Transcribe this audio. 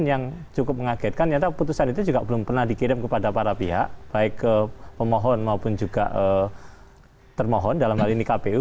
yang cukup mengagetkan nyata putusan itu juga belum pernah dikirim kepada para pihak baik ke pemohon maupun juga termohon dalam hal ini kpu